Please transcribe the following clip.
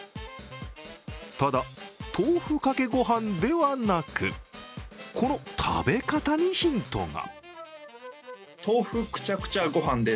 ただ、豆腐かけご飯ではなく、この食べ方にヒントが。